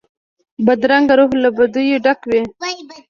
بدرنګه روح له بدیو ډک وي